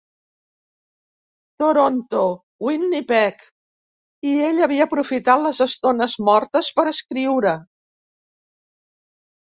Toronto-Winnipeg, i ell havia aprofitat les estones mortes per escriure.